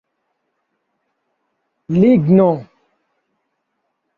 ligno